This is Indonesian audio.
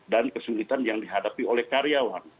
dan kesulitan yang dihadapi oleh karyawan